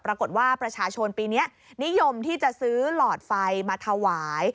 ปรากฏว่าประชาชนปีนี้นิยมที่จะซื้อหลอดไฟมาถวาย